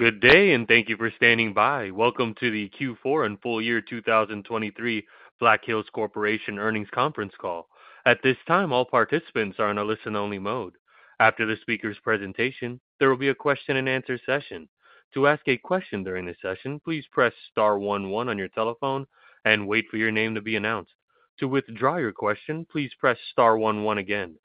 Good day, and thank you for standing by. Welcome to the Q4 and Full Year 2023 Black Hills Corporation Earnings Conference Call. At this time, all participants are in a listen-only mode. After the speaker's presentation, there will be a question-and-answer session. To ask a question during this session, please press star one one on your telephone and wait for your name to be announced. To withdraw your question, please press star one one again.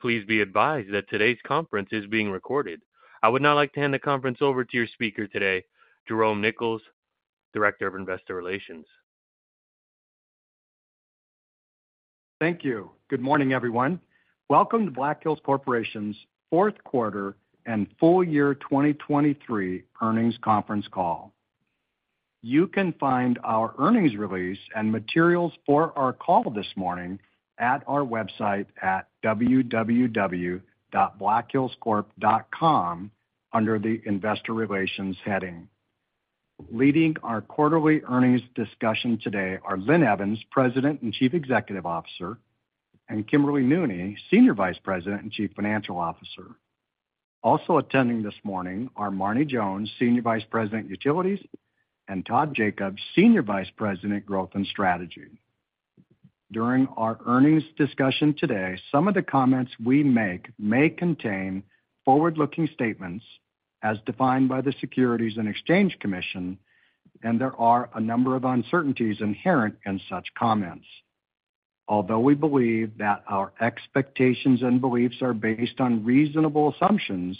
Please be advised that today's conference is being recorded. I would now like to hand the conference over to your speaker today, Jerome Nichols, Director of Investor Relations. Thank you. Good morning, everyone. Welcome to Black Hills Corporation's Q4 and Full Year 2023 Earnings Conference Call. You can find our earnings release and materials for our call this morning at our website at www.blackhillscorp.com under the Investor Relations heading. Leading our quarterly earnings discussion today are Linn Evans, President and Chief Executive Officer, and Kimberly Nooney, Senior Vice President and Chief Financial Officer. Also attending this morning are Marne Jones, Senior Vice President, Utilities, and Todd Jacobs, Senior Vice President, Growth and Strategy. During our earnings discussion today, some of the comments we make may contain forward-looking statements as defined by the Securities and Exchange Commission, and there are a number of uncertainties inherent in such comments. Although we believe that our expectations and beliefs are based on reasonable assumptions,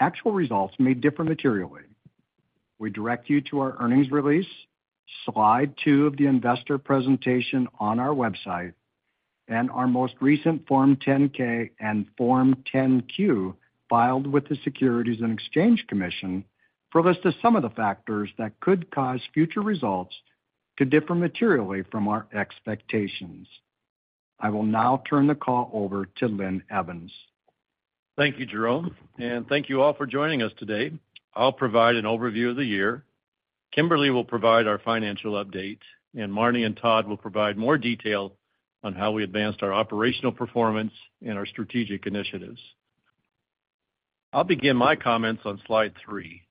actual results may differ materially. We direct you to our earnings release, slide 2 of the investor presentation on our website, and our most recent Form 10-K and Form 10-Q, filed with the Securities and Exchange Commission, for a list of some of the factors that could cause future results to differ materially from our expectations. I will now turn the call over to Linn Evans. Thank you, Jerome, and thank you all for joining us today. I'll provide an overview of the year. Kimberly will provide our financial update, and Marne and Todd will provide more detail on how we advanced our operational performance and our strategic initiatives. I'll begin my comments on slide 3.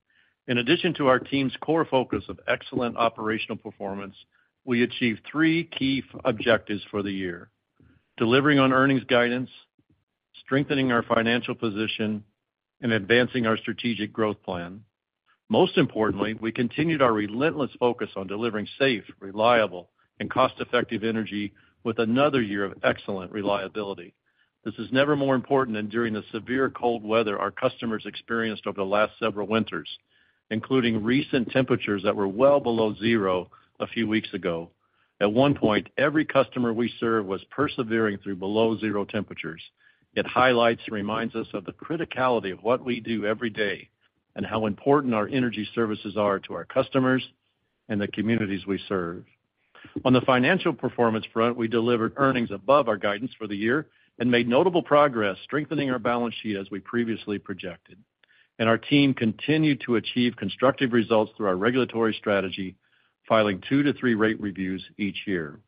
In addition to our team's core focus of excellent operational performance, we achieved three key objectives for the year: delivering on earnings guidance, strengthening our financial position, and advancing our strategic growth plan. Most importantly, we continued our relentless focus on delivering safe, reliable, and cost-effective energy with another year of excellent reliability. This is never more important than during the severe cold weather our customers experienced over the last several winters, including recent temperatures that were well below zero a few weeks ago. At one point, every customer we served was persevering through below zero temperatures. It highlights and reminds us of the criticality of what we do every day and how important our energy services are to our customers and the communities we serve. On the financial performance front, we delivered earnings above our guidance for the year and made notable progress strengthening our balance sheet as we previously projected. Our team continued to achieve constructive results through our regulatory strategy, filing 2-3 rate reviews each year.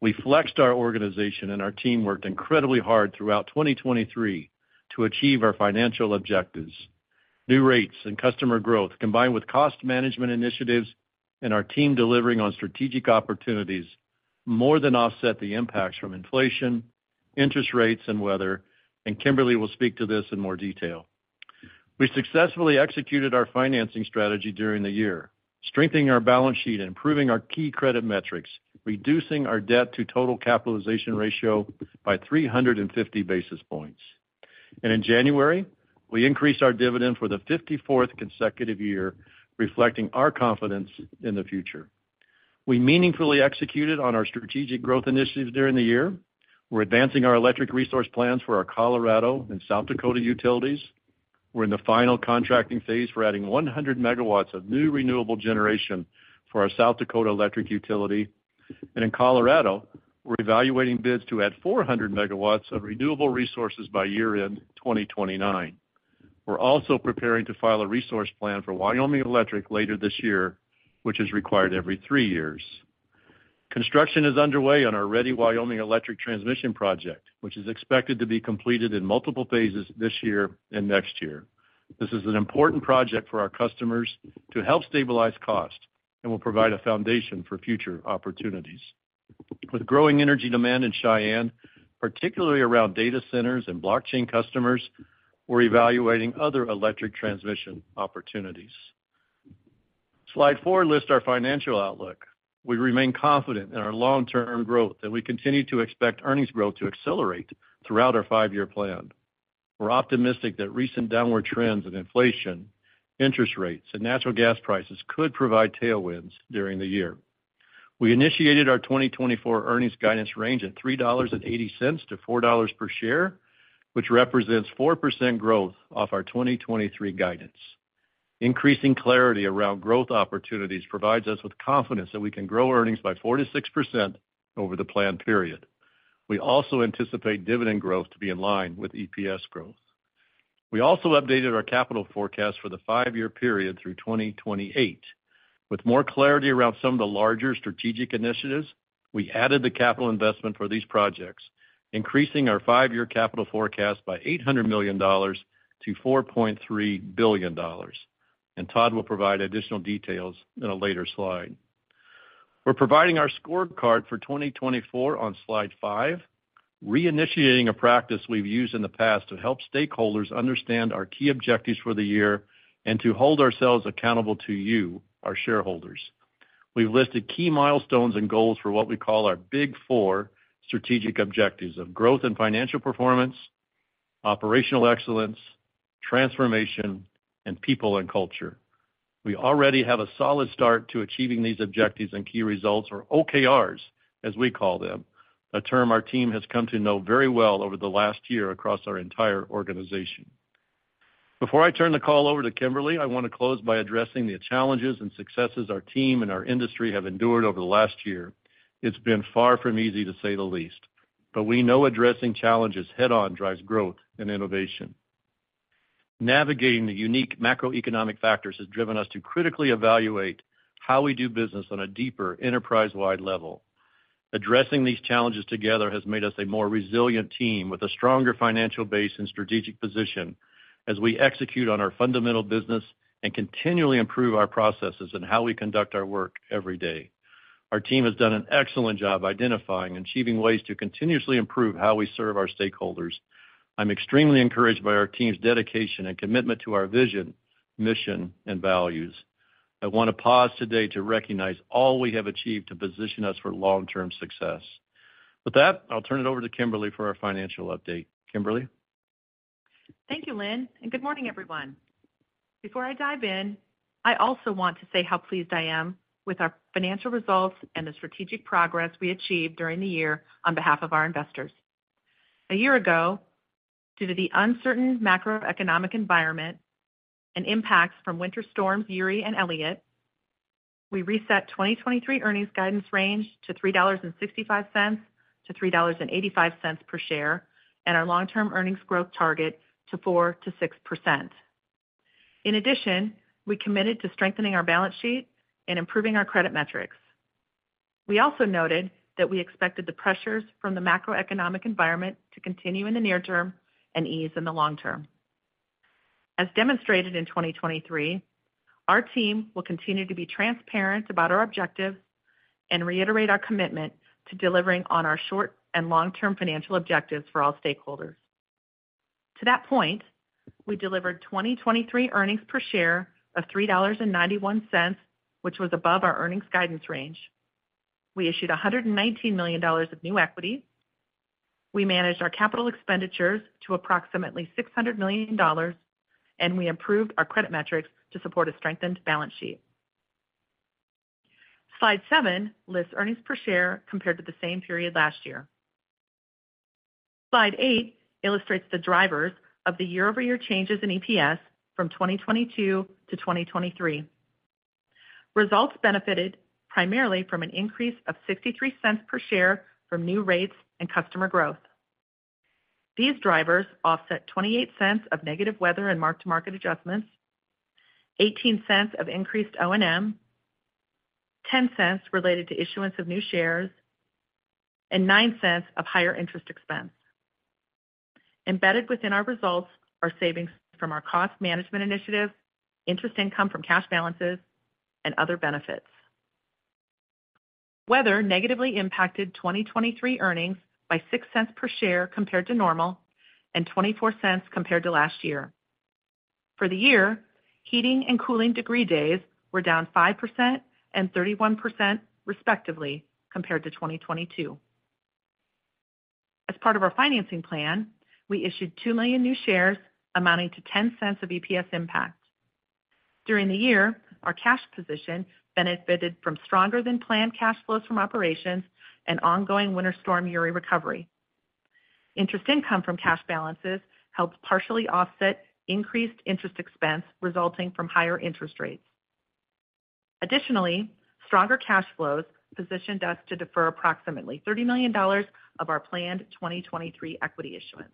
We flexed our organization, and our team worked incredibly hard throughout 2023 to achieve our financial objectives. New rates and customer growth, combined with cost management initiatives and our team delivering on strategic opportunities, more than offset the impacts from inflation, interest rates, and weather, and Kimberly will speak to this in more detail. We successfully executed our financing strategy during the year, strengthening our balance sheet and improving our key credit metrics, reducing our debt to total capitalization ratio by 350 basis points. In January, we increased our dividend for the fifty-fourth consecutive year, reflecting our confidence in the future. We meaningfully executed on our strategic growth initiatives during the year. We're advancing our electric resource plans for our Colorado and South Dakota utilities. We're in the final contracting phase for adding 100 MW of new renewable generation for our South Dakota Electric utility. In Colorado, we're evaluating bids to add 400 MW of renewable resources by year-end 2029. We're also preparing to file a resource plan for Wyoming Electric later this year, which is required every three years. Construction is underway on our Ready Wyoming Electric Transmission Project, which is expected to be completed in multiple phases this year and next year. This is an important project for our customers to help stabilize cost and will provide a foundation for future opportunities. With growing energy demand in Cheyenne, particularly around data centers and blockchain customers, we're evaluating other electric transmission opportunities. Slide four lists our financial outlook. We remain confident in our long-term growth, and we continue to expect earnings growth to accelerate throughout our five-year plan. We're optimistic that recent downward trends in inflation, interest rates, and natural gas prices could provide tailwinds during the year. We initiated our 2024 earnings guidance range at $3.80-$4.00 per share, which represents 4% growth off our 2023 guidance. Increasing clarity around growth opportunities provides us with confidence that we can grow earnings by 4%-6% over the plan period. We also anticipate dividend growth to be in line with EPS growth. We also updated our capital forecast for the 5-year period through 2028... With more clarity around some of the larger strategic initiatives, we added the capital investment for these projects, increasing our 5-year capital forecast by $800 million to $4.3 billion, and Todd will provide additional details in a later slide. We're providing our scorecard for 2024 on slide 5, reinitiating a practice we've used in the past to help stakeholders understand our key objectives for the year and to hold ourselves accountable to you, our shareholders. We've listed key milestones and goals for what we call our big four strategic objectives of growth and financial performance, operational excellence, transformation, and people and culture. We already have a solid start to achieving these objectives and key results, or OKRs, as we call them, a term our team has come to know very well over the last year across our entire organization. Before I turn the call over to Kimberly, I want to close by addressing the challenges and successes our team and our industry have endured over the last year. It's been far from easy, to say the least, but we know addressing challenges head-on drives growth and innovation. Navigating the unique macroeconomic factors has driven us to critically evaluate how we do business on a deeper, enterprise-wide level. Addressing these challenges together has made us a more resilient team with a stronger financial base and strategic position as we execute on our fundamental business and continually improve our processes and how we conduct our work every day. Our team has done an excellent job identifying and achieving ways to continuously improve how we serve our stakeholders. I'm extremely encouraged by our team's dedication and commitment to our vision, mission, and values. I want to pause today to recognize all we have achieved to position us for long-term success. With that, I'll turn it over to Kimberly for our financial update. Kimberly? Thank you, Linn, and good morning, everyone. Before I dive in, I also want to say how pleased I am with our financial results and the strategic progress we achieved during the year on behalf of our investors. A year ago, due to the uncertain macroeconomic environment and impacts from Winter Storm Uri and Elliott, we reset 2023 earnings guidance range to $3.65-$3.85 per share, and our long-term earnings growth target to 4%-6%. In addition, we committed to strengthening our balance sheet and improving our credit metrics. We also noted that we expected the pressures from the macroeconomic environment to continue in the near term and ease in the long term. As demonstrated in 2023, our team will continue to be transparent about our objectives and reiterate our commitment to delivering on our short and long-term financial objectives for all stakeholders. To that point, we delivered 2023 earnings per share of $3.91, which was above our earnings guidance range. We issued $119 million of new equity. We managed our capital expenditures to approximately $600 million, and we improved our credit metrics to support a strengthened balance sheet. Slide 7 lists earnings per share compared to the same period last year. Slide 8 illustrates the drivers of the year-over-year changes in EPS from 2022 to 2023. Results benefited primarily from an increase of $0.63 per share from new rates and customer growth. These drivers offset $0.28 of negative weather and mark-to-market adjustments, $0.18 of increased O&M, $0.10 related to issuance of new shares, and $0.09 of higher interest expense. Embedded within our results are savings from our cost management initiatives, interest income from cash balances, and other benefits. Weather negatively impacted 2023 earnings by $0.06 per share compared to normal, and $0.24 compared to last year. For the year, heating and cooling degree days were down 5% and 31%, respectively, compared to 2022. As part of our financing plan, we issued 2 million new shares, amounting to $0.10 of EPS impact. During the year, our cash position benefited from stronger-than-planned cash flows from operations and ongoing Winter Storm Uri recovery. Interest income from cash balances helped partially offset increased interest expense resulting from higher interest rates. Additionally, stronger cash flows positioned us to defer approximately $30 million of our planned 2023 equity issuance.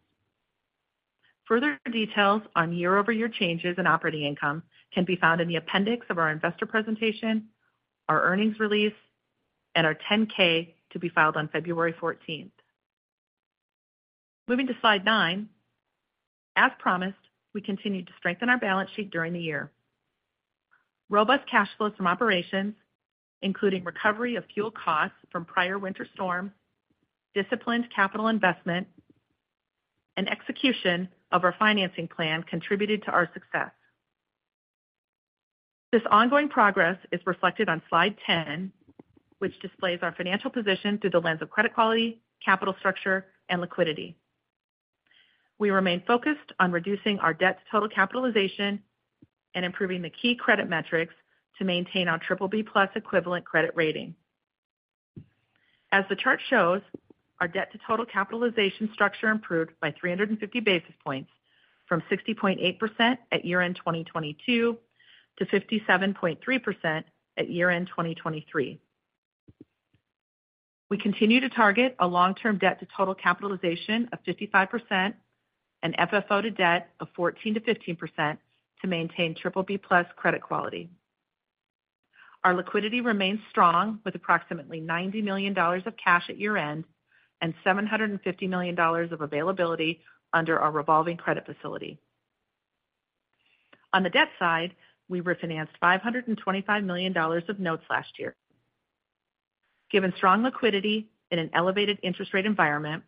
Further details on year-over-year changes in operating income can be found in the appendix of our investor presentation, our earnings release, and our 10-K, to be filed on February fourteenth. Moving to slide 9, as promised, we continued to strengthen our balance sheet during the year. Robust cash flows from operations, including recovery of fuel costs from prior winter storm, disciplined capital investment, and execution of our financing plan, contributed to our success. This ongoing progress is reflected on slide 10, which displays our financial position through the lens of credit quality, capital structure, and liquidity. We remain focused on reducing our debt to total capitalization and improving the key credit metrics to maintain our BBB Plus equivalent credit rating. As the chart shows, our debt to total capitalization structure improved by 350 basis points from 60.8% at year-end 2022 to 57.3% at year-end 2023. We continue to target a long-term debt to total capitalization of 55% and FFO to debt of 14%-15% to maintain triple B plus credit quality. Our liquidity remains strong, with approximately $90 million of cash at year-end and $750 million of availability under our revolving credit facility. On the debt side, we refinanced $525 million of notes last year. Given strong liquidity in an elevated interest rate environment,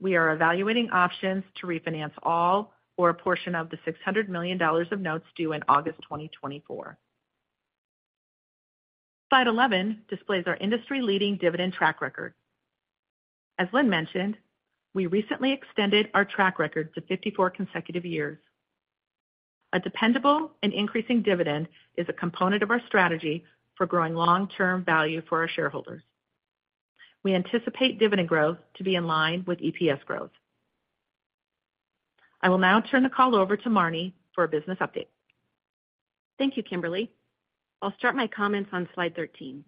we are evaluating options to refinance all or a portion of the $600 million of notes due in August 2024. Slide 11 displays our industry-leading dividend track record. As Linn mentioned, we recently extended our track record to 54 consecutive years. A dependable and increasing dividend is a component of our strategy for growing long-term value for our shareholders. We anticipate dividend growth to be in line with EPS growth. I will now turn the call over to Marne for a business update. Thank you, Kimberly. I'll start my comments on slide 13.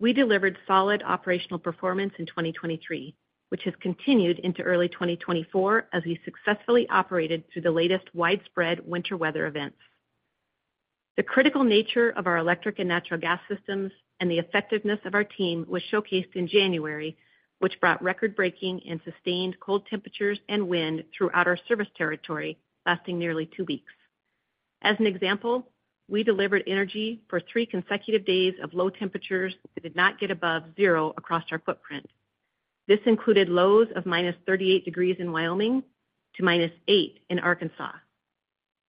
We delivered solid operational performance in 2023, which has continued into early 2024 as we successfully operated through the latest widespread winter weather events. The critical nature of our electric and natural gas systems and the effectiveness of our team was showcased in January, which brought record-breaking and sustained cold temperatures and wind throughout our service territory, lasting nearly two weeks. As an example, we delivered energy for three consecutive days of low temperatures that did not get above zero across our footprint. This included lows of minus 38 degrees in Wyoming to minus 8 in Arkansas.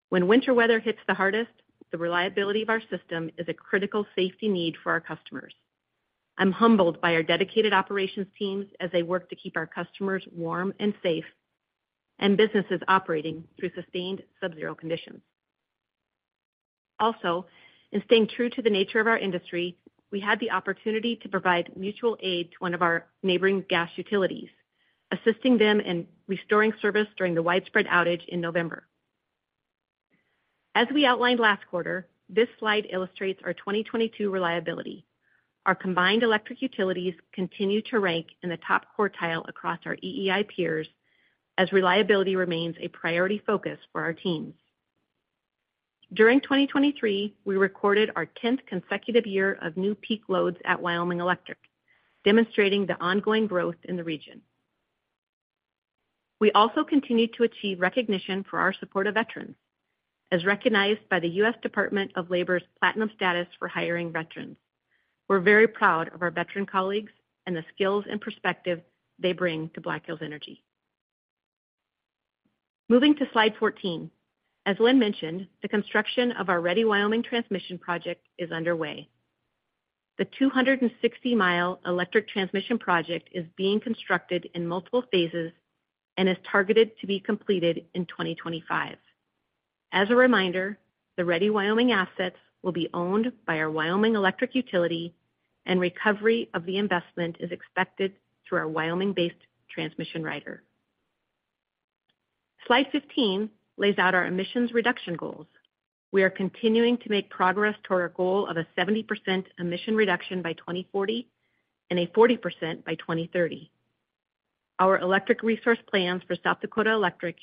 When winter weather hits the hardest, the reliability of our system is a critical safety need for our customers. I'm humbled by our dedicated operations teams as they work to keep our customers warm and safe, and businesses operating through sustained subzero conditions. Also, in staying true to the nature of our industry, we had the opportunity to provide mutual aid to one of our neighboring gas utilities, assisting them in restoring service during the widespread outage in November. As we outlined last quarter, this slide illustrates our 2022 reliability. Our combined electric utilities continue to rank in the top quartile across our EEI peers, as reliability remains a priority focus for our teams. During 2023, we recorded our tenth consecutive year of new peak loads at Wyoming Electric, demonstrating the ongoing growth in the region. We also continued to achieve recognition for our support of veterans, as recognized by the U.S. Department of Labor's Platinum Status for hiring veterans. We're very proud of our veteran colleagues and the skills and perspective they bring to Black Hills Energy. Moving to slide 14. As Linn mentioned, the construction of our Ready Wyoming Transmission Project is underway. The 260-mile electric transmission project is being constructed in multiple phases and is targeted to be completed in 2025. As a reminder, the Ready Wyoming assets will be owned by our Wyoming Electric utility, and recovery of the investment is expected through our Wyoming-based transmission rider. Slide 15 lays out our emissions reduction goals. We are continuing to make progress toward our goal of a 70% emission reduction by 2040 and a 40% by 2030. Our electric resource plans for South Dakota Electric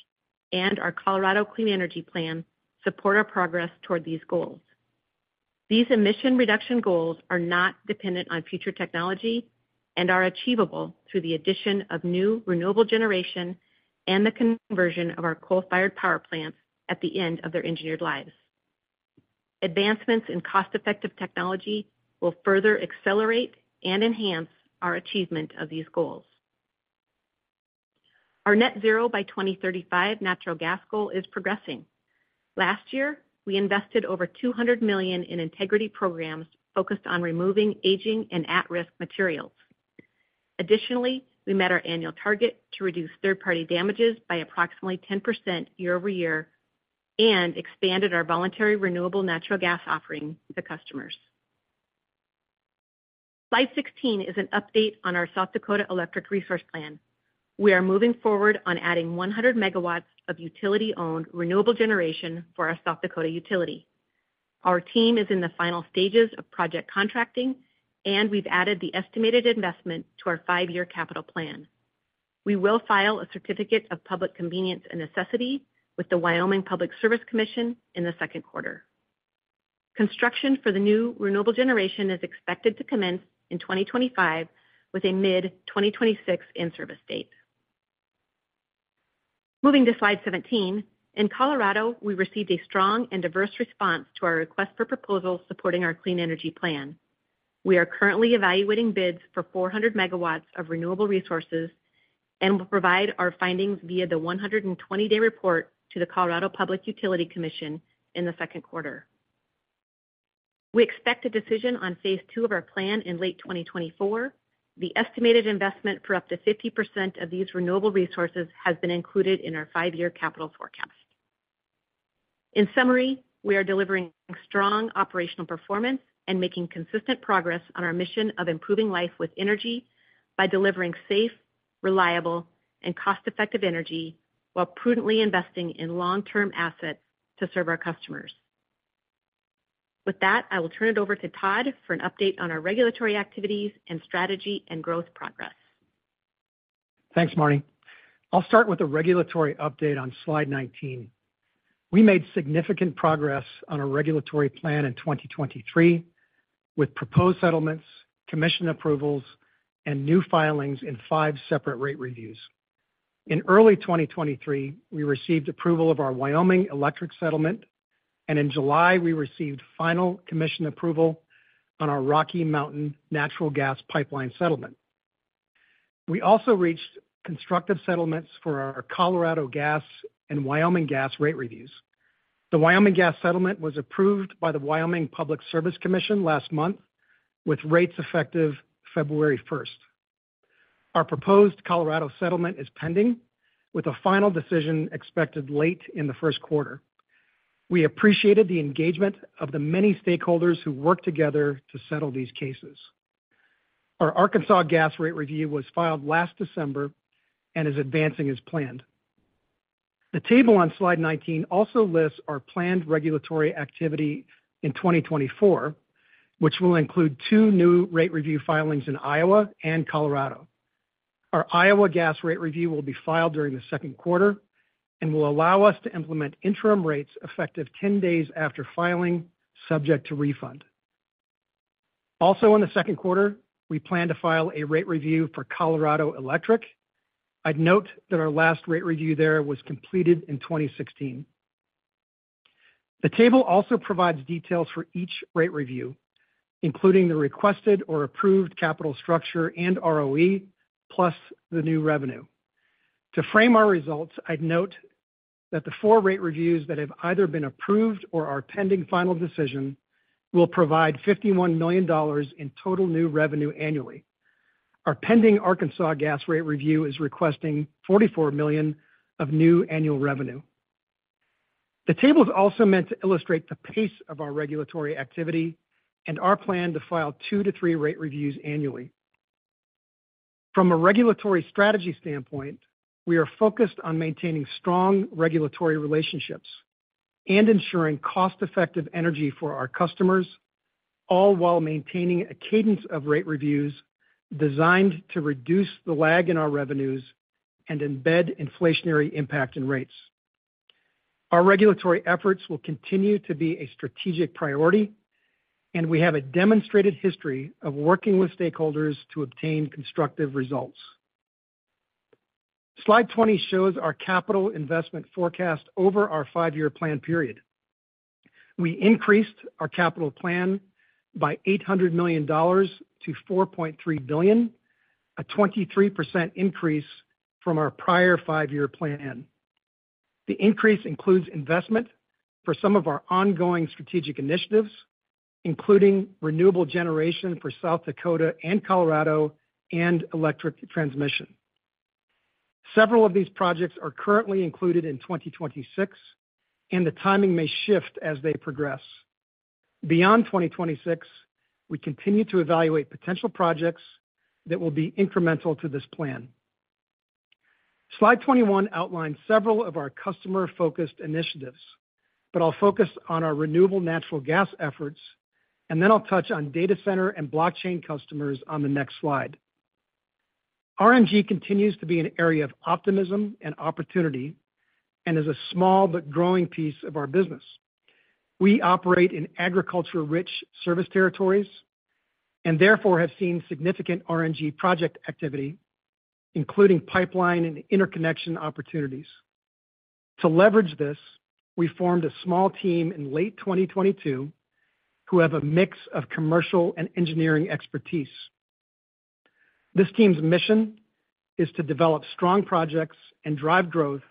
and our Colorado Clean Energy Plan support our progress toward these goals. These emission reduction goals are not dependent on future technology and are achievable through the addition of new renewable generation and the conversion of our coal-fired power plants at the end of their engineered lives. Advancements in cost-effective technology will further accelerate and enhance our achievement of these goals. Our net zero by 2035 natural gas goal is progressing. Last year, we invested over $200 million in integrity programs focused on removing aging and at-risk materials. Additionally, we met our annual target to reduce third-party damages by approximately 10% year-over-year and expanded our voluntary renewable natural gas offering to customers. Slide 16 is an update on our South Dakota Electric Resource Plan. We are moving forward on adding 100 MW of utility-owned renewable generation for our South Dakota utility. Our team is in the final stages of project contracting, and we've added the estimated investment to our 5-year capital plan. We will file a Certificate of Public Convenience and Necessity with the Wyoming Public Service Commission in the Q2. Construction for the new renewable generation is expected to commence in 2025, with a mid-2026 in-service date. Moving to slide 17. In Colorado, we received a strong and diverse response to our request for proposal supporting our Clean Energy Plan. We are currently evaluating bids for 400 MW of renewable resources and will provide our findings via the 120-day report to the Colorado Public Utility Commission in the Q2. We expect a decision on phase two of our plan in late 2024. The estimated investment for up to 50% of these renewable resources has been included in our five-year capital forecast. In summary, we are delivering strong operational performance and making consistent progress on our mission of improving life with energy by delivering safe, reliable, and cost-effective energy while prudently investing in long-term assets to serve our customers.... With that, I will turn it over to Todd for an update on our regulatory activities and strategy and growth progress. Thanks, Marne. I'll start with a regulatory update on slide 19. We made significant progress on our regulatory plan in 2023, with proposed settlements, commission approvals, and new filings in 5 separate rate reviews. In early 2023, we received approval of our Wyoming Electric settlement, and in July, we received final commission approval on our Rocky Mountain Natural Gas Pipeline settlement. We also reached constructive settlements for our Colorado Gas and Wyoming Gas rate reviews. The Wyoming Gas settlement was approved by the Wyoming Public Service Commission last month, with rates effective February first. Our proposed Colorado settlement is pending, with a final decision expected late in the Q1. We appreciated the engagement of the many stakeholders who worked together to settle these cases. Our Arkansas Gas rate review was filed last December and is advancing as planned. The table on slide 19 also lists our planned regulatory activity in 2024, which will include 2 new rate review filings in Iowa and Colorado. Our Iowa Gas rate review will be filed during the Q2 and will allow us to implement interim rates effective 10 days after filing, subject to refund. Also in the Q2, we plan to file a rate review for Colorado Electric. I'd note that our last rate review there was completed in 2016. The table also provides details for each rate review, including the requested or approved capital structure and ROE, plus the new revenue. To frame our results, I'd note that the 4 rate reviews that have either been approved or are pending final decision, will provide $51 million in total new revenue annually. Our pending Arkansas Gas rate review is requesting $44 million of new annual revenue. The table is also meant to illustrate the pace of our regulatory activity and our plan to file 2-3 rate reviews annually. From a regulatory strategy standpoint, we are focused on maintaining strong regulatory relationships and ensuring cost-effective energy for our customers, all while maintaining a cadence of rate reviews designed to reduce the lag in our revenues and embed inflationary impact in rates. Our regulatory efforts will continue to be a strategic priority, and we have a demonstrated history of working with stakeholders to obtain constructive results. Slide 20 shows our capital investment forecast over our five-year plan period. We increased our capital plan by $800 million to $4.3 billion, a 23% increase from our prior five-year plan. The increase includes investment for some of our ongoing strategic initiatives, including renewable generation for South Dakota and Colorado, and electric transmission. Several of these projects are currently included in 2026, and the timing may shift as they progress. Beyond 2026, we continue to evaluate potential projects that will be incremental to this plan. Slide 21 outlines several of our customer-focused initiatives, but I'll focus on our renewable natural gas efforts, and then I'll touch on data center and blockchain customers on the next slide. RNG continues to be an area of optimism and opportunity and is a small but growing piece of our business. We operate in agriculture-rich service territories and therefore have seen significant RNG project activity, including pipeline and interconnection opportunities. To leverage this, we formed a small team in late 2022 who have a mix of commercial and engineering expertise. This team's mission is to develop strong projects and drive growth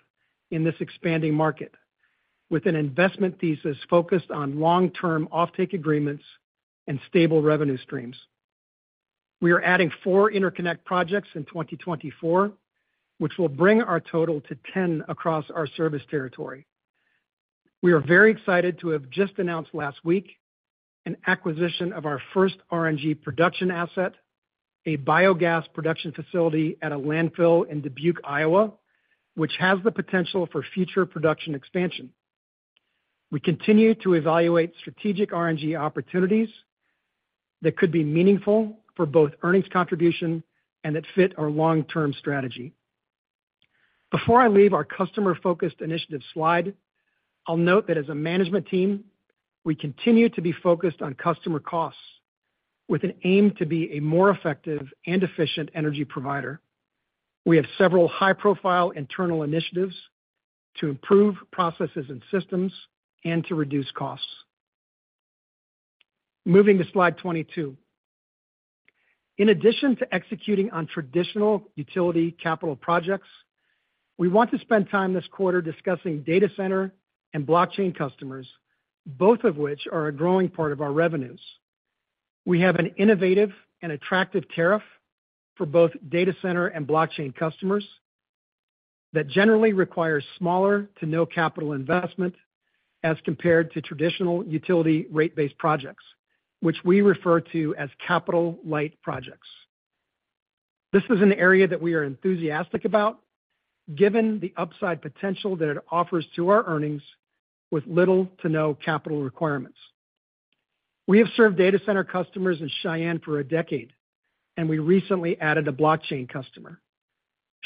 in this expanding market with an investment thesis focused on long-term offtake agreements and stable revenue streams. We are adding four interconnect projects in 2024, which will bring our total to 10 across our service territory. We are very excited to have just announced last week an acquisition of our first RNG production asset, a biogas production facility at a landfill in Dubuque, Iowa, which has the potential for future production expansion. We continue to evaluate strategic RNG opportunities that could be meaningful for both earnings contribution and that fit our long-term strategy. Before I leave our customer-focused initiative slide, I'll note that as a management team, we continue to be focused on customer costs with an aim to be a more effective and efficient energy provider. We have several high-profile internal initiatives to improve processes and systems and to reduce costs. Moving to slide 22. In addition to executing on traditional utility capital projects, we want to spend time this quarter discussing data center and blockchain customers, both of which are a growing part of our revenues. We have an innovative and attractive tariff for both data center and blockchain customers that generally requires smaller to no capital investment as compared to traditional utility rate-based projects, which we refer to as capital-light projects.... This is an area that we are enthusiastic about, given the upside potential that it offers to our earnings with little to no capital requirements. We have served data center customers in Cheyenne for a decade, and we recently added a blockchain customer.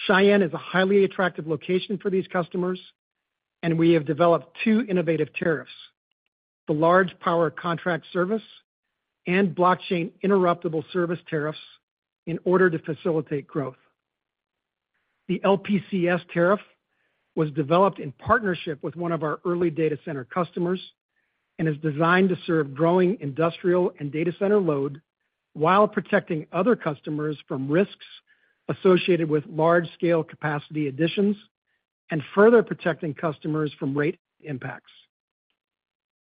Cheyenne is a highly attractive location for these customers, and we have developed two innovative tariffs, the Large Power Contract Service and Blockchain Interruptible Service tariffs, in order to facilitate growth. The LPCS tariff was developed in partnership with one of our early data center customers and is designed to serve growing industrial and data center load while protecting other customers from risks associated with large-scale capacity additions and further protecting customers from rate impacts.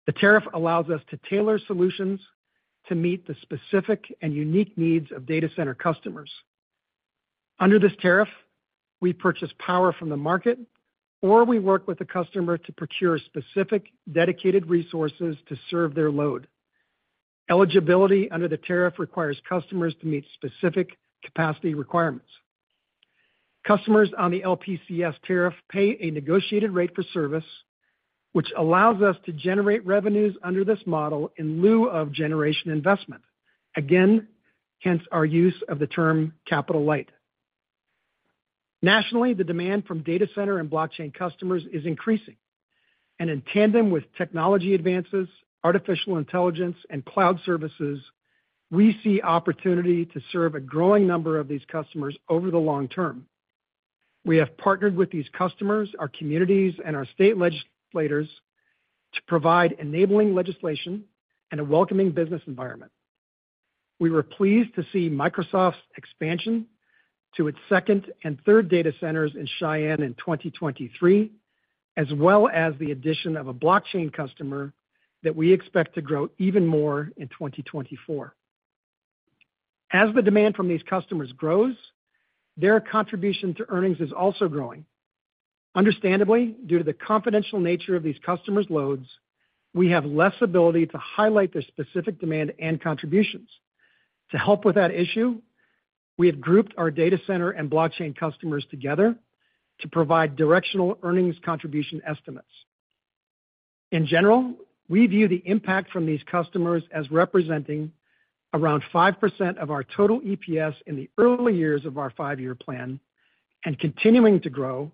The tariff allows us to tailor solutions to meet the specific and unique needs of data center customers. Under this tariff, we purchase power from the market, or we work with the customer to procure specific, dedicated resources to serve their load. Eligibility under the tariff requires customers to meet specific capacity requirements. Customers on the LPCS Tariff pay a negotiated rate for service, which allows us to generate revenues under this model in lieu of generation investment. Again, hence our use of the term capital light. Nationally, the demand from data center and blockchain customers is increasing, and in tandem with technology advances, artificial intelligence, and cloud services, we see opportunity to serve a growing number of these customers over the long term. We have partnered with these customers, our communities, and our state legislators to provide enabling legislation and a welcoming business environment. We were pleased to see Microsoft's expansion to its second and third data centers in Cheyenne in 2023, as well as the addition of a blockchain customer that we expect to grow even more in 2024. As the demand from these customers grows, their contribution to earnings is also growing. Understandably, due to the confidential nature of these customers' loads, we have less ability to highlight their specific demand and contributions. To help with that issue, we have grouped our data center and blockchain customers together to provide directional earnings contribution estimates. In general, we view the impact from these customers as representing around 5% of our total EPS in the early years of our five-year plan and continuing to grow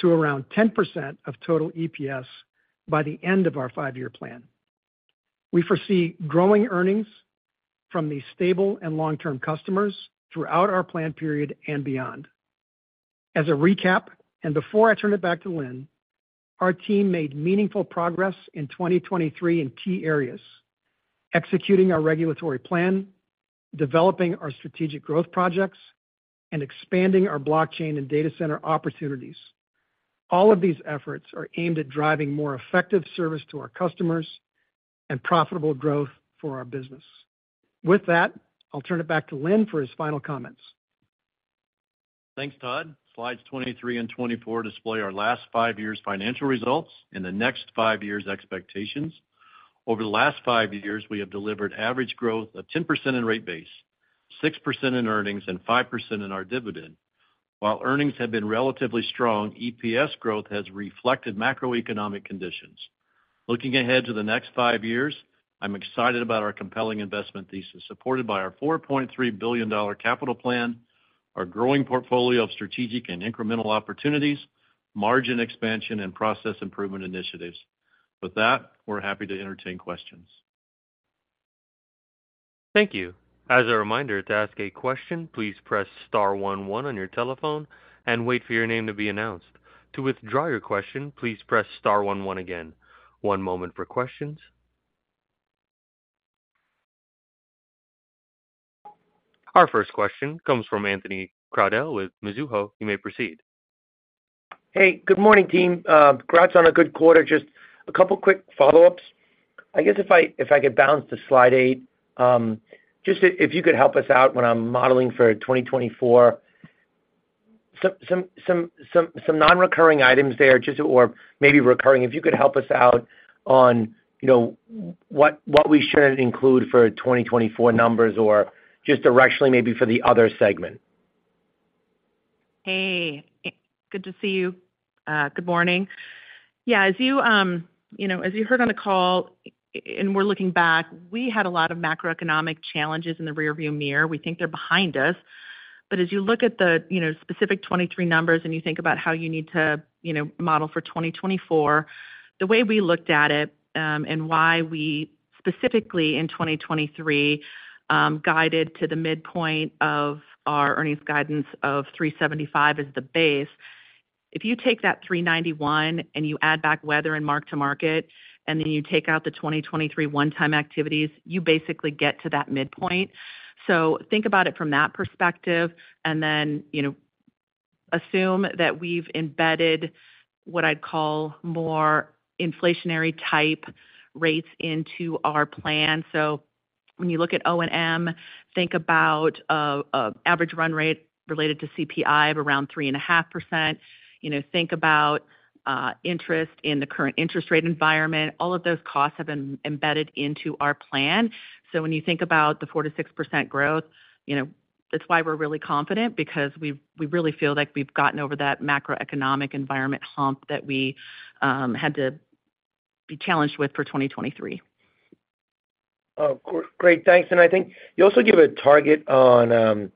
to around 10% of total EPS by the end of our five-year plan. We foresee growing earnings from these stable and long-term customers throughout our plan period and beyond. As a recap, and before I turn it back to Linn, our team made meaningful progress in 2023 in key areas, executing our regulatory plan, developing our strategic growth projects, and expanding our blockchain and data center opportunities. All of these efforts are aimed at driving more effective service to our customers and profitable growth for our business. With that, I'll turn it back to Linn for his final comments. Thanks, Todd. Slides 23 and 24 display our last 5 years' financial results and the next 5 years' expectations. Over the last 5 years, we have delivered average growth of 10% in rate base, 6% in earnings, and 5% in our dividend. While earnings have been relatively strong, EPS growth has reflected macroeconomic conditions. Looking ahead to the next 5 years, I'm excited about our compelling investment thesis, supported by our $4.3 billion capital plan, our growing portfolio of strategic and incremental opportunities, margin expansion, and process improvement initiatives. With that, we're happy to entertain questions. Thank you. As a reminder, to ask a question, please press star one, one on your telephone and wait for your name to be announced. To withdraw your question, please press star one, one again. One moment for questions. Our first question comes from Anthony Crowdell with Mizuho. You may proceed. Hey, good morning, team. Congrats on a good quarter. Just a couple of quick follow-ups. I guess if I could bounce to slide 8, just if you could help us out when I'm modeling for 2024. Some non-recurring items there, just or maybe recurring, if you could help us out on, you know, what we should include for 2024 numbers or just directionally, maybe for the other segment. Hey, good to see you. Good morning. Yeah, as you, you know, as you heard on the call and we're looking back, we had a lot of macroeconomic challenges in the rearview mirror. We think they're behind us. But as you look at the, you know, specific 2023 numbers and you think about how you need to, you know, model for 2024, the way we looked at it, and why we specifically in 2023 guided to the midpoint of our earnings guidance of $3.75 is the base. If you take that $3.91 and you add back weather and mark-to-market, and then you take out the 2023 one-time activities, you basically get to that midpoint. So think about it from that perspective, and then, you know, assume that we've embedded what I'd call more inflationary type rates into our plan. So when you look at O&M, think about average run rate related to CPI of around 3.5%. You know, think about interest in the current interest rate environment. All of those costs have been embedded into our plan. So when you think about the 4%-6% growth, you know? That's why we're really confident, because we really feel like we've gotten over that macroeconomic environment hump that we had to be challenged with for 2023. Oh, cool. Great, thanks. And I think you also give a target on,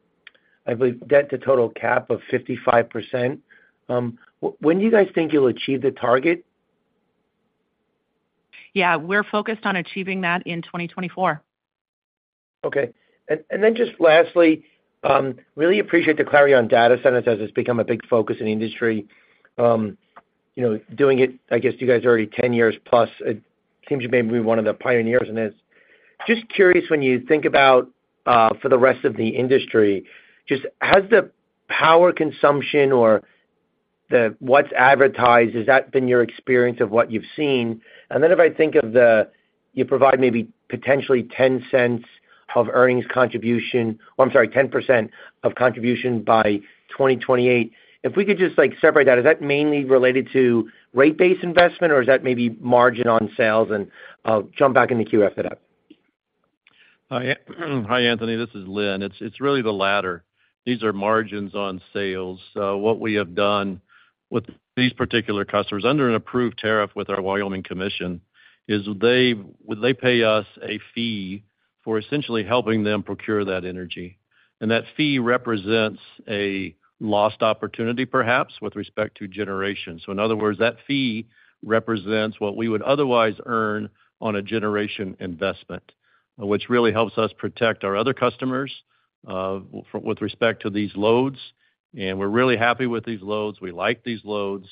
I believe, debt to total cap of 55%. When do you guys think you'll achieve the target? Yeah, we're focused on achieving that in 2024. Okay. And then just lastly, really appreciate the clarity on data centers as it's become a big focus in the industry. You know, doing it, I guess, you guys are already 10 years plus. It seems you may be one of the pioneers in this. Just curious, when you think about for the rest of the industry, just has the power consumption or the what's advertised, has that been your experience of what you've seen? And then if I think of the, you provide maybe potentially 10 cents of earnings contribution, or I'm sorry, 10% contribution by 2028. If we could just, like, separate that, is that mainly related to rate base investment, or is that maybe margin on sales? And I'll jump back in the queue after that. Hi, Anthony. This is Linn. It's really the latter. These are margins on sales. So what we have done with these particular customers, under an approved tariff with our Wyoming Commission, is they pay us a fee for essentially helping them procure that energy. And that fee represents a lost opportunity, perhaps, with respect to generation. So in other words, that fee represents what we would otherwise earn on a generation investment, which really helps us protect our other customers with respect to these loads. And we're really happy with these loads. We like these loads,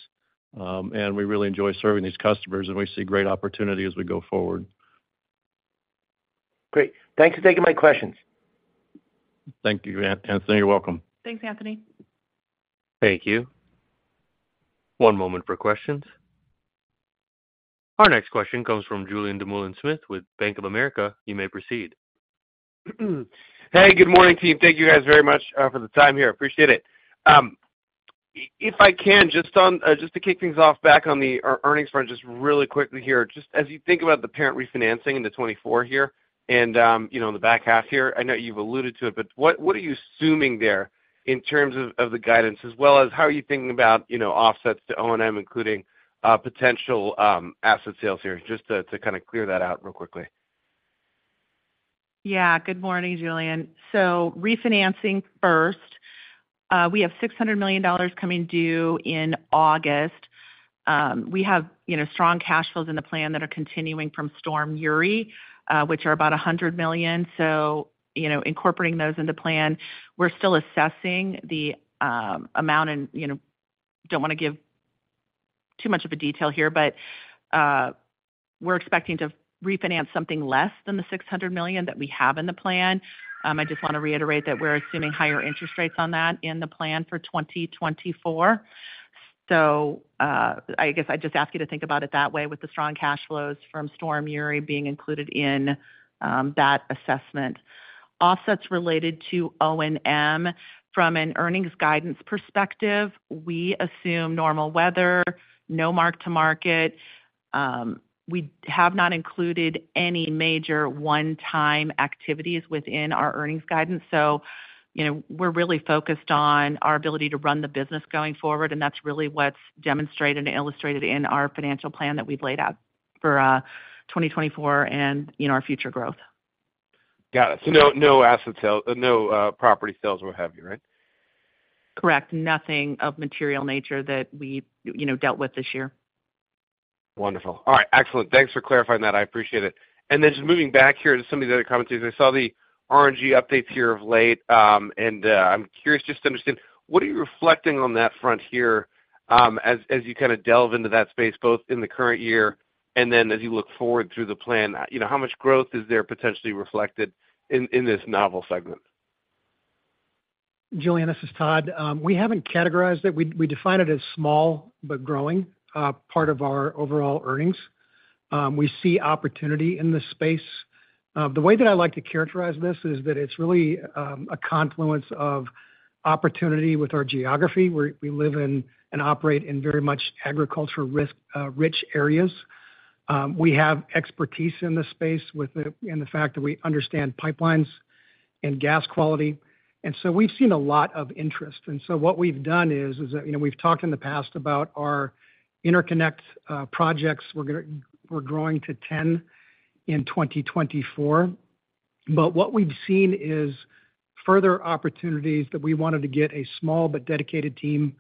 and we really enjoy serving these customers, and we see great opportunity as we go forward. Great. Thanks for taking my questions. Thank you, Anthony. You're welcome. Thanks, Anthony. Thank you. One moment for questions. Our next question comes from Julien Dumoulin-Smith with Bank of America. You may proceed. Hey, good morning, team. Thank you guys very much for the time here. Appreciate it. If I can, just on, just to kick things off, back on our earnings front, just really quickly here, just as you think about the parent refinancing in 2024 here and, you know, in the back half here, I know you've alluded to it, but what are you assuming there in terms of the guidance, as well as how are you thinking about, you know, offsets to O&M, including potential asset sales here? Just to kind of clear that out real quickly. Yeah. Good morning, Julien. So refinancing first, we have $600 million coming due in August. We have, you know, strong cash flows in the plan that are continuing from Storm Uri, which are about $100 million. So, you know, incorporating those in the plan, we're still assessing the amount. And, you know, don't want to give too much of a detail here, but we're expecting to refinance something less than the $600 million that we have in the plan. I just want to reiterate that we're assuming higher interest rates on that in the plan for 2024. So, I guess I'd just ask you to think about it that way, with the strong cash flows from Storm Uri being included in that assessment. Offsets related to O&M, from an earnings guidance perspective, we assume normal weather, no mark-to-market. We have not included any major one-time activities within our earnings guidance. So, you know, we're really focused on our ability to run the business going forward, and that's really what's demonstrated and illustrated in our financial plan that we've laid out for 2024 and, you know, our future growth. Got it. So no, no asset sale, no, property sales or what have you, right? Correct. Nothing of material nature that we, you know, dealt with this year. Wonderful. All right, excellent. Thanks for clarifying that. I appreciate it. And then just moving back here to some of the other comments. I saw the RNG updates here of late, and I'm curious just to understand, what are you reflecting on that front here, as you kind of delve into that space, both in the current year and then as you look forward through the plan? You know, how much growth is there potentially reflected in this novel segment? Julien, this is Todd. We haven't categorized it. We, we define it as small but growing part of our overall earnings. We see opportunity in this space. The way that I like to characterize this is that it's really a confluence of opportunity with our geography, where we live in and operate in very much agricultural risk-rich areas. We have expertise in this space with the, and the fact that we understand pipelines and gas quality, and so we've seen a lot of interest. And so what we've done is, is that, you know, we've talked in the past about our interconnect projects. We're gonna. We're growing to 10 in 2024. What we've seen is further opportunities that we wanted to get a small but dedicated team,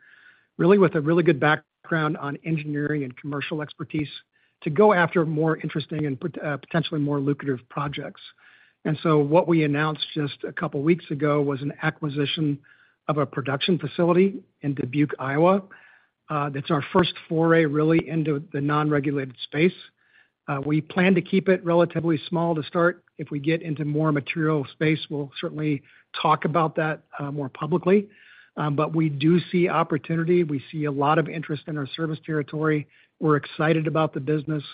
really with a really good background on engineering and commercial expertise, to go after more interesting and potentially more lucrative projects. So what we announced just a couple of weeks ago was an acquisition of a production facility in Dubuque, Iowa. That's our first foray, really, into the non-regulated space. We plan to keep it relatively small to start. If we get into more material space, we'll certainly talk about that, more publicly. But we do see opportunity. We see a lot of interest in our service territory. We're excited about the business.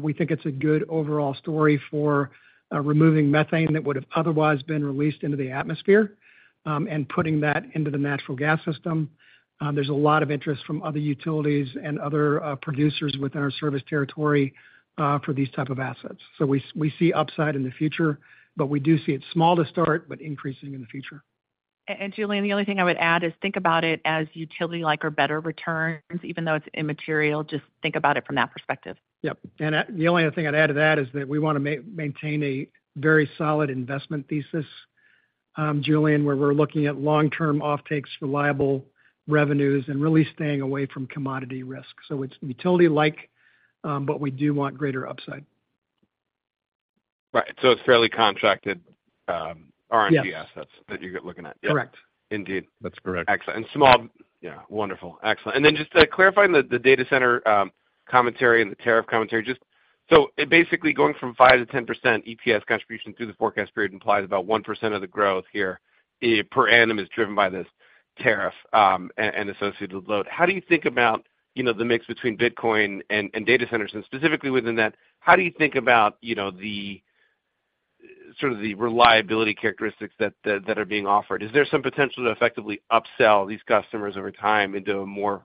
We think it's a good overall story for removing methane that would have otherwise been released into the atmosphere, and putting that into the natural gas system. There's a lot of interest from other utilities and other producers within our service territory for these type of assets. So we see upside in the future, but we do see it small to start, but increasing in the future.... And, Julien, the only thing I would add is think about it as utility-like or better returns, even though it's immaterial. Just think about it from that perspective. Yep. And, the only other thing I'd add to that is that we want to maintain a very solid investment thesis, Julien, where we're looking at long-term offtakes, reliable revenues, and really staying away from commodity risk. So it's utility-like, but we do want greater upside. Right. So it's fairly contracted, RNG- Yes assets that you're looking at? Correct. Indeed. That's correct. Excellent. Yeah, wonderful. Excellent. And then just to clarify on the data center commentary and the tariff commentary, just so basically going from 5%-10% EPS contribution through the forecast period implies about 1% of the growth here, per annum, is driven by this tariff, and associated with load. How do you think about, you know, the mix between Bitcoin and data centers? And specifically within that, how do you think about, you know, the sort of the reliability characteristics that are being offered? Is there some potential to effectively upsell these customers over time into a more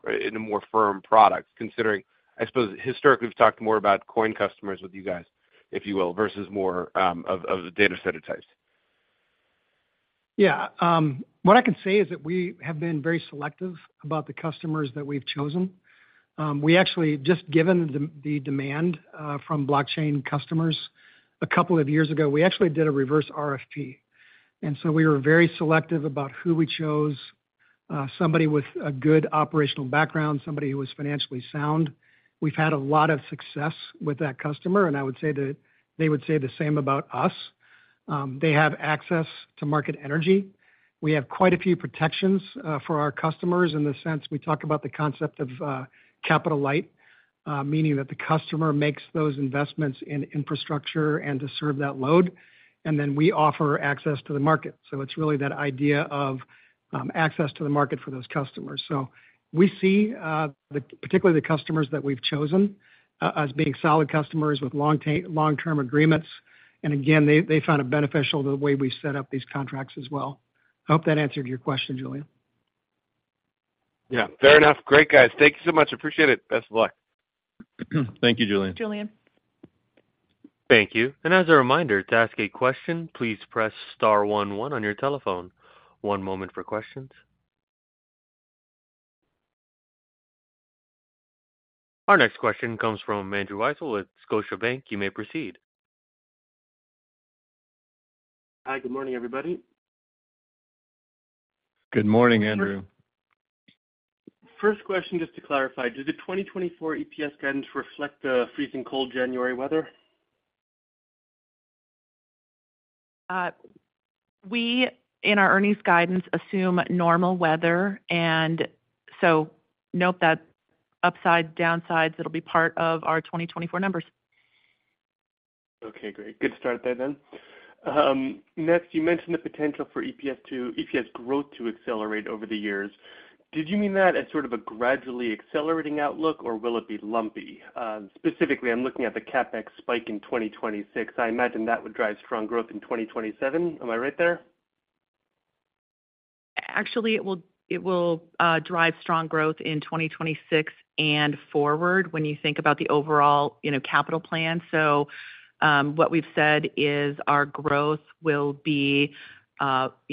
firm product, considering... I suppose historically, we've talked more about coin customers with you guys, if you will, versus more of the data center types. Yeah. What I can say is that we have been very selective about the customers that we've chosen. We actually, just given the demand from blockchain customers, a couple of years ago, we actually did a reverse RFP, and so we were very selective about who we chose. Somebody with a good operational background, somebody who was financially sound. We've had a lot of success with that customer, and I would say that they would say the same about us. They have access to market energy. We have quite a few protections for our customers in the sense we talk about the concept of capital light, meaning that the customer makes those investments in infrastructure and to serve that load, and then we offer access to the market. So it's really that idea of access to the market for those customers. So we see, particularly the customers that we've chosen, as being solid customers with long-term agreements. And again, they found it beneficial the way we set up these contracts as well. I hope that answered your question, Julien. Yeah, fair enough. Great, guys. Thank you so much. Appreciate it. Best of luck. Thank you, Julien. Julien. Thank you. And as a reminder, to ask a question, please press star one one on your telephone. One moment for questions. Our next question comes from Andrew Weisel with Scotiabank. You may proceed. Hi, good morning, everybody. Good morning, Andrew. First question, just to clarify, do the 2024 EPS guidance reflect the freezing cold January weather? We, in our earnings guidance, assume normal weather, and so nope, that upside, downsides, it'll be part of our 2024 numbers. Okay, great. Good start there then. Next, you mentioned the potential for EPS growth to accelerate over the years. Did you mean that as sort of a gradually accelerating outlook, or will it be lumpy? Specifically, I'm looking at the CapEx spike in 2026. I imagine that would drive strong growth in 2027. Am I right there? Actually, it will, it will, drive strong growth in 2026 and forward when you think about the overall, you know, capital plan. So, what we've said is our growth will be, you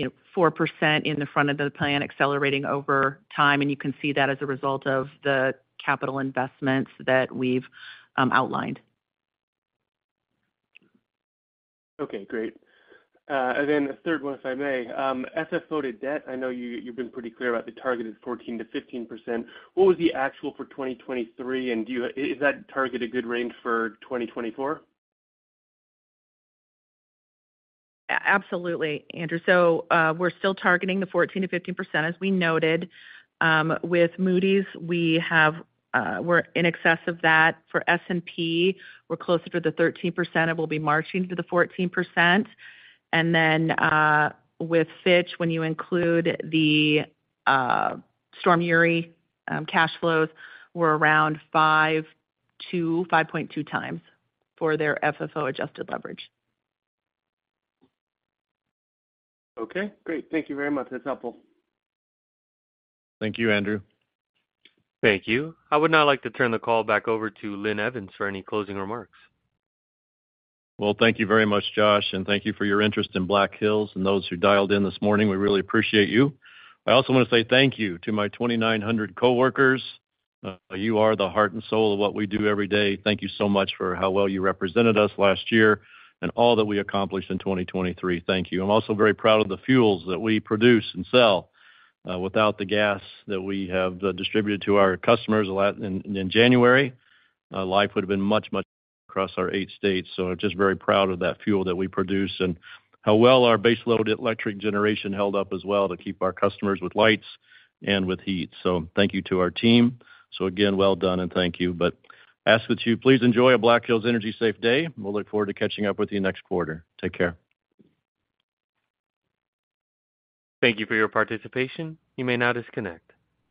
know, 4% in the front of the plan, accelerating over time, and you can see that as a result of the capital investments that we've, outlined. Okay, great. And then the third one, if I may. FFO to debt, I know you, you've been pretty clear about the target is 14%-15%. What was the actual for 2023, and do you... Is that target a good range for 2024? Absolutely, Andrew. So, we're still targeting the 14%-15%, as we noted. With Moody's, we have, we're in excess of that. For S&P, we're closer to the 13%, and we'll be marching to the 14%. And then, with Fitch, when you include the, Storm Uri, cash flows were around 5-5.2 times for their FFO-adjusted leverage. Okay, great. Thank you very much. That's helpful. Thank you, Andrew. Thank you. I would now like to turn the call back over to Linn Evans for any closing remarks. Well, thank you very much, Josh, and thank you for your interest in Black Hills and those who dialed in this morning. We really appreciate you. I also want to say thank you to my 2,900 coworkers. You are the heart and soul of what we do every day. Thank you so much for how well you represented us last year and all that we accomplished in 2023. Thank you. I'm also very proud of the fuels that we produce and sell. Without the gas that we have distributed to our customers in January, life would have been much, much across our 8 states. So I'm just very proud of that fuel that we produce and how well our base load electric generation held up as well to keep our customers with lights and with heat. So thank you to our team. Again, well done and thank you. Ask that you please enjoy a Black Hills Energy Safe Day. We'll look forward to catching up with you next quarter. Take care. Thank you for your participation. You may now disconnect.